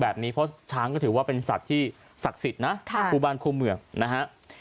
แบบนี้เพราะช้างก็ถือว่าเป็นสัตว์ที่ศักดิ์ศิลป์นะฮะคุณผู้บ้านคมเหงือนะฮะ